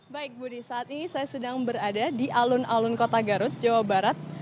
baik budi saat ini saya sedang berada di alun alun kota garut jawa barat